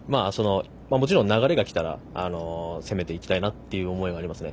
もちろん、流れがきたら攻めていきたいなという思いはありますね。